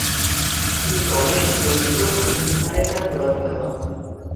তিনি গণেশ দেউস্কর ও বিপিন পালের দ্বারা প্রভাবিত হন।